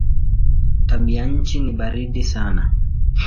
Tabianchi ni baridi sana.